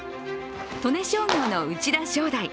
利根商業の内田湘大。